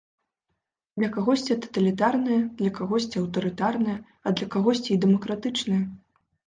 Для кагосьці таталітарная, для кагосьці аўтарытарная, а для кагосьці і дэмакратычная.